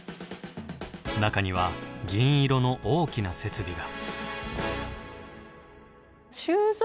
中には銀色の大きな設備が。